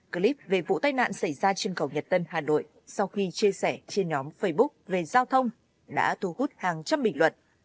clip về vụ tai nạn xảy ra trên cầu nhật tân hà nội sau khi chia sẻ trên nhóm facebook về giao thông đã thu hút hàng trăm bình luận